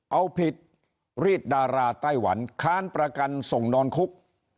เอาผิดรีดดาราไต้หวันค้านประกันส่งนอนคุก